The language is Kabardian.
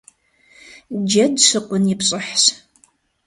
Джэд щыкъун и пщӀыхьщ.